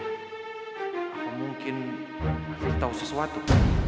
apa mungkin afid tahu sesuatu